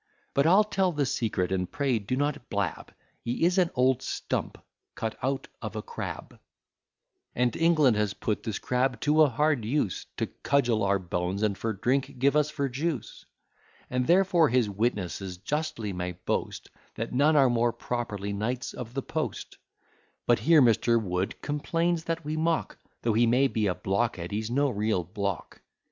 But I'll tell the secret; and pray do not blab: He is an old stump, cut out of a crab; And England has put this crab to a hard use, To cudgel our bones, and for drink give us ver juice; And therefore his witnesses justly may boast, That none are more properly knights of the post, But here Mr. Wood complains that we mock, Though he may be a blockhead, he's no real block.